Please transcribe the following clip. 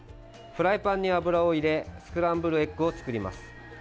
フライパンに油を入れスクランブルエッグを作ります。